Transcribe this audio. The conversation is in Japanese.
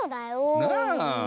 なあ。